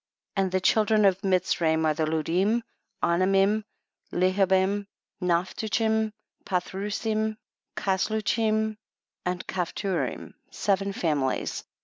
21. And the children of Mitz raim are the Ludim, Anamim, Leha bim, Naphtuchim, Pathrusim, Cas luchim and Caphturim, seven families.